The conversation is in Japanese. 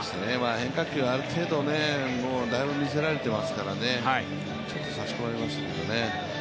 変化球、ある程度だいぶ見せられていますからね、ちょっとさし込まれましたけどね。